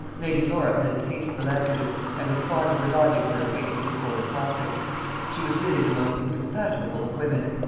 Lady Laura had a taste for languages, and was fond of reviving her acquaintance with foreign classics. She was really the most indefatigable of women.